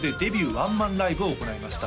ワンマンライブを行いました